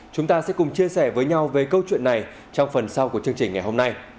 chúng ta sẽ cùng chia sẻ với nhau về câu chuyện này trong phần sau của chương trình ngày hôm nay